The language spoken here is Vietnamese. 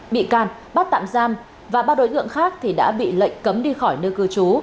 bị can bắt tạm giam và ba đối tượng khác thì đã bị lệnh cấm đi khỏi nơi cư trú